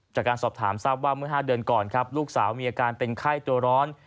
จากการสอบถามทราบว่าเมื่อ๕เดือนก่อนครับลูกสาวมีอาการเป็นไข้ตัวร้อน